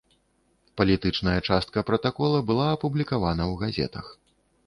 Палітычная частка пратакола была апублікавана ў газетах.